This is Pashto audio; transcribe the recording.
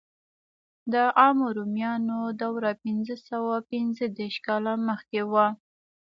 د عامو رومیانو دوره پنځه سوه پنځه دېرش کاله مخکې وه.